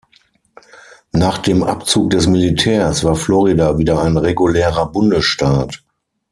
Nach dem Abzug des Militärs war Florida wieder ein regulärer Bundesstaat.